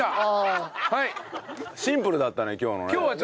シンプルだったね今日のね。